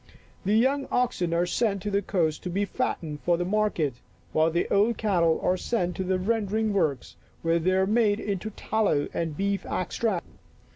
The young oxen are sent to the coast to be fattened for market, while the old cattle are sent to the rendering works, where they are made into tal low and beef extract.